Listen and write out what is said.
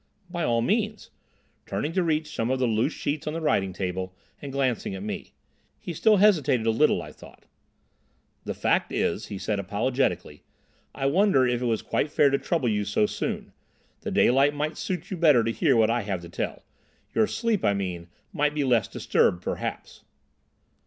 "By all means," turning to reach some of the loose sheets on the writing table, and glancing at me. He still hesitated a little, I thought. "The fact is," he said apologetically, "I wondered if it was quite fair to trouble you so soon. The daylight might suit you better to hear what I have to tell. Your sleep, I mean, might be less disturbed, perhaps."